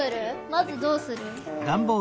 まずどうする？